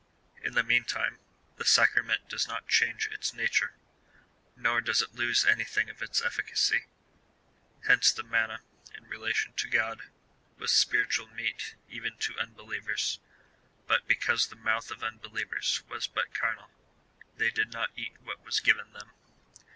In the meantime, the sacra ment does not change its nature, nor does it lose anything of its eflScacy. Hence the manna, in relation to God, Avas spiritual meat even to unbelicA'^ers, but because the mouth of unbelievers was but carnal, they did not eat what was given them.